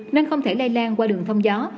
nên không thể lây lan qua đường thông gió